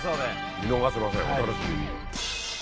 見逃せませんお楽しみに。